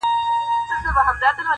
نن به توره د خوشحال راوړي رنګونه-